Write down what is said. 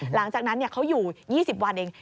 หลังจากนั้นเขาอยู่๒๐วันเอง